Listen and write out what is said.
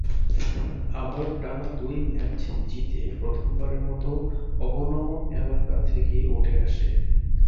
আবার টানা দুই ম্যাচ জিতে প্রথমবারের মত অবনমন এলাকা থেকে উঠে আসে।